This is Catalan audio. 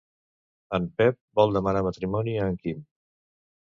En Pep vol demanar matrimoni a en Quim.